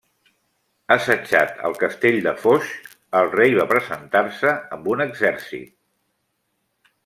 Assetjat al castell de Foix, el rei va presentar-se amb un exèrcit.